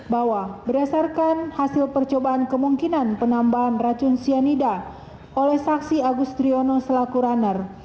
bahwa berdasarkan hasil percobaan kemungkinan penambahan racun cyanida oleh saksi agustriono selaku runner